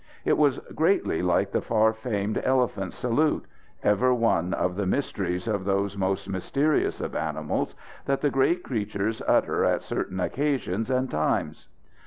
It was greatly like the far famed elephant salute ever one of the mysteries of those most mysterious of animals that the great creatures utter at certain occasions and times.